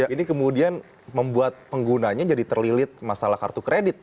ini kemudian membuat penggunanya jadi terlilit masalah kartu kredit